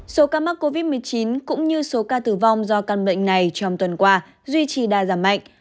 số ca mắc covid một mươi chín cũng như số ca tử vong do căn bệnh này trong tuần qua duy trì đa giảm mạnh